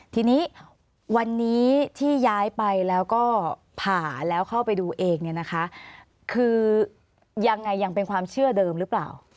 ทีนี้วันนี้ที่ย้ายไปแล้วก็ผ่าแล้วเข้าไปดูเองเนี่ยนะคะคือยังไงยังเป็นความเชื่อเดิมหรือเปล่า